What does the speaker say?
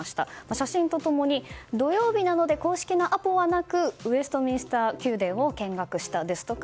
写真と共に、土曜日などで公式なアポはなくウェストミンスター宮殿を見学したですとか